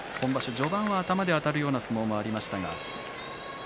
序盤は頭であたるような相撲もありました。